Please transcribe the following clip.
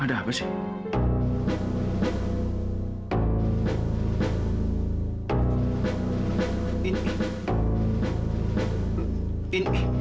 ada apa sih